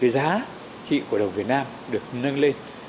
giá trị của đồng việt nam được nâng lên